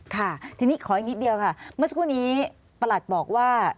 ค่ะทีนี้ขออีกนิดเดียวค่ะเมื่อสักครู่นี้ประหลัดบอกว่า